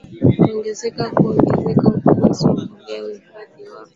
kuongezeka kuongeza ufanisi wa mbolea uhifadhi wa